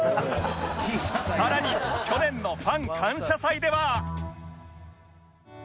さらに去年のファン感謝祭では